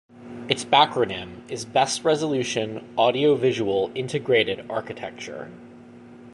Its backronym is "Best Resolution Audio Visual Integrated Architecture".